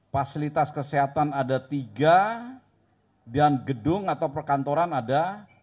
fasilitas kesehatan ada tiga dan gedung atau perkantoran ada